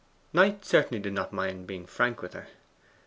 Knight certainly did not mind being frank with her.